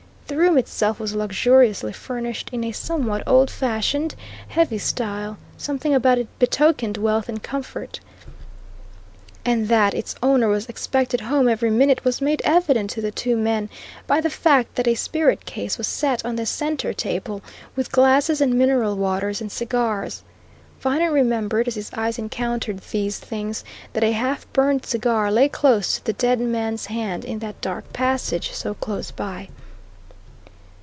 The room itself was luxuriously furnished in a somewhat old fashioned, heavy style; everything about it betokened wealth and comfort. And that its owner was expected home every minute was made evident to the two men by the fact that a spirit case was set on the centre table, with glasses and mineral waters and cigars; Viner remembered, as his eyes encountered these things, that a half burned cigar lay close to the dead man's hand in that dark passage so close by.